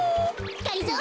がりぞー